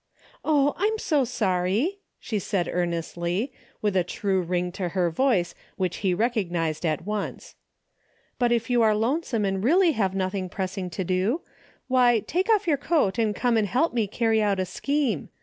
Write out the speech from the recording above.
" Oh, I'm so sorry," she said, earnestly, with a true ring to her voice which he recognized 220 DAILY RATE.^'> 221 at once. " But if you are lonesome and really have nothing pressing to do, why take off your coat and come and help me carry out a scheme.